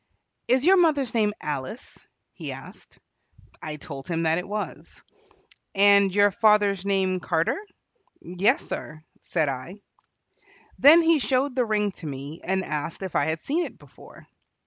"Is your mother's name Alice?" he asked. I told him that it was. "And your father's name Carter?" "Yes, sir," said I. Then he showed the ring to me and asked if I had seen it before.